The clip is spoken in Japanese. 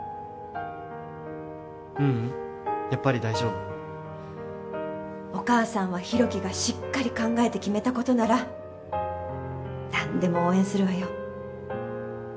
ううんやっぱり大丈夫お母さんは広樹がしっかり考えて決めたことなら何でも応援するわよ